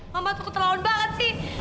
mama tuh keteluan banget sih